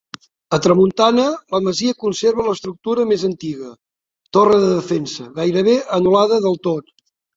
A tramuntana, la masia conserva l'estructura més antiga, torre de defensa, gairebé anul·lada del tot.